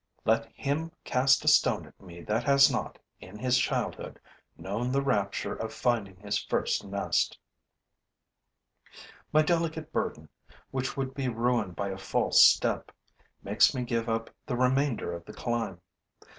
Let him cast a stone at me that has not, in his childhood, known the rapture of finding his first nest. My delicate burden, which would be ruined by a false step, makes me give up the remainder of the climb.